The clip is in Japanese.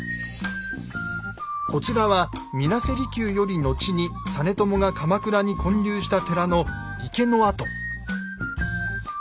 こちらは水無瀬離宮より後に実朝が鎌倉に建立した寺の池の跡。